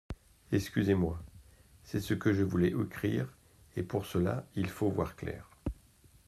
Excusez-moi ; c'est que je voulais écrire, et pour cela il faut voir clair.